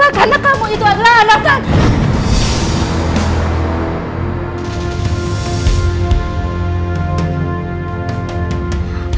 tante gak rela karena kamu itu adalah anak anak